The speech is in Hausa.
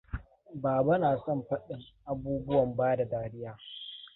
Baba na son fadin abubuwan ba da dariya.